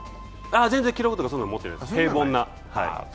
全然記録とかは持ってないです、平凡な。